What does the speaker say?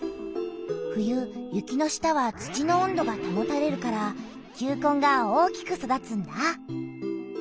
冬雪の下は土の温度がたもたれるから球根が大きく育つんだ！